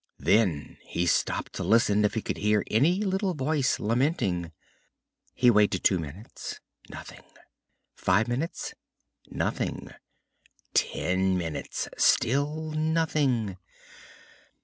Then he stopped to listen if he could hear any little voice lamenting. He waited two minutes nothing; five minutes nothing; ten minutes still nothing!